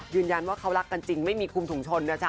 ยืนยันว่าเขารักกันจริงไม่มีคุมถุงชนนะจ๊